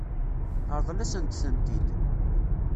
Ṛḍel-asent-tent-id.